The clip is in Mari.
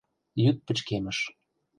Йӱд пычкемыш...